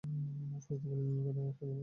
ফরিদা বললেন, কেমন আছিস তুই?